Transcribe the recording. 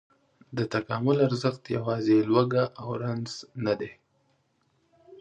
د تکامل ارزښت یواځې لوږه او رنځ نه دی.